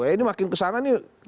ini makin kesana nih